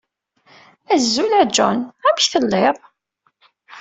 Azul a John, amek telliḍ?